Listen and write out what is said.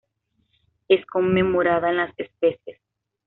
Es conmemorada en las especies